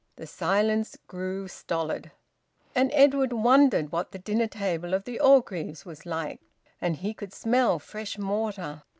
The silence grew stolid. And Edwin wondered what the dinner table of the Orgreaves was like. And he could smell fresh mortar.